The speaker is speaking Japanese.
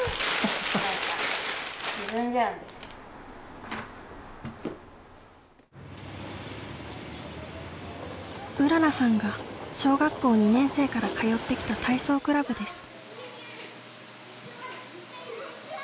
うららさんが小学校２年生から通ってきた体操クラブです。